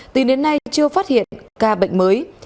từ đến nay chưa phát hiện ca bệnh mới